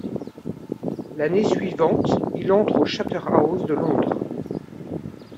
L'année suivante il entre au Charterhouse de Londres.